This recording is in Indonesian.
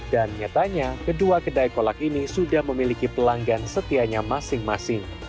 dan nyatanya kedua kedai kolak ini sudah memiliki pelanggan setianya masing masing